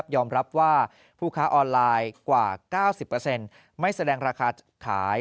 ยอมรับว่าผู้ค้าออนไลน์กว่า๙๐ไม่แสดงราคาขาย